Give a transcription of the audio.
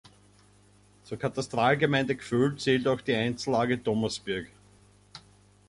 Zur Katastralgemeinde Gföhl zählt auch die Einzellage Thomasberg.